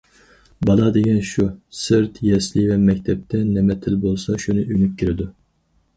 بالا دېگەن شۇ، سىرت، يەسلى ۋە مەكتەپتە نېمە تىل بولسا شۇنى ئۆگىنىپ كىرىدۇ.